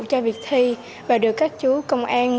cho việc thi và được các chú công an